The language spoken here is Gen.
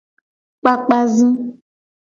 Kpakpa zi.